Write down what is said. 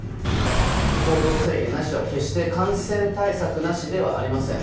行動制限なしは決して感染対策なしではありません。